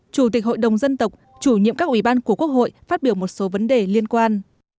chủ tịch hội đồng dân tộc chủ nhiệm các ủy ban của quốc hội phát biểu một số vấn đề liên quan